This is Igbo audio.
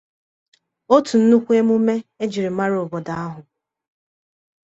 otu nnukwu emume e jiri mara obodo ahụ.